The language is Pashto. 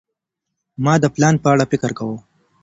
ما د پلان په اړه فکر کاوه.